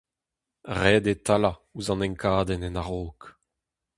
Ret eo talañ ouzh an enkadenn en a-raok.